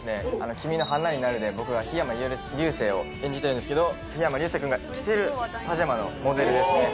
「君の花になる」で僕は桧山竜星を演じているんですけど桧山竜星君が着てるパジャマのモデルですね